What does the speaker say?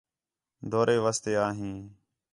دورے واسطے آ ہیں